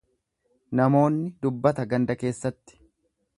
Namoonni dubbata ganda keessatti.